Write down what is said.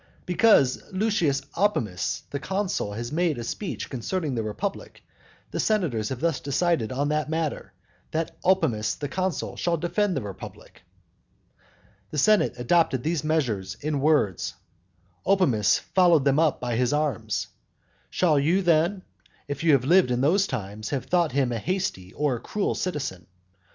"Because Lucius Opimius the consul has made a speech concerning the republic, the senators have thus decided on that matter, that Opimius the consul shall defend the republic." The senate adopted these measures in words, Opimius followed them up by his arms. Should you then, if you had lived in those times, have thought him a hasty or a cruel citizen?